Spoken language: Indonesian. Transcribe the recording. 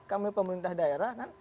kami pemerintah daerah kan